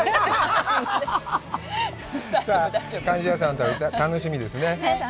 貫地谷さんの旅、楽しみですね。